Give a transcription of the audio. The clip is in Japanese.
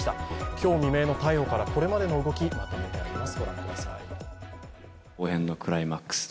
今日未明の逮捕からこれまでの動き、まとめてあります。